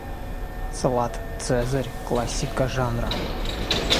Салат "Цезарь" - классика жанра.